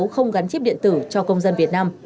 không gắn dứt diện tử trong nước